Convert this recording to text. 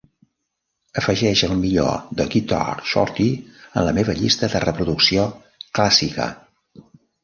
afegeix el millor de Guitar Shorty en la meva llista de reproducció "clásica"